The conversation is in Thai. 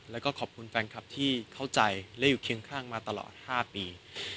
แล้วก็ขอบคุณแฟนคลับที่เข้าใจและอยู่เคียงข้างมาตลอด๕ปี